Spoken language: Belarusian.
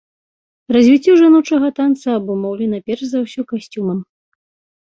Развіццё жаночага танца абумоўлена перш за ўсё касцюмам.